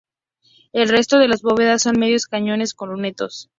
El resto de las bóvedas son medios cañones con lunetos.